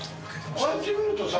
こうやって見るとさ、